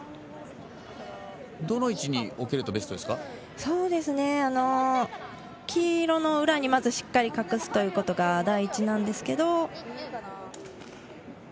どの位置に置けるとベストで黄色の裏にまずしっかり隠すことが大事なんですけれど。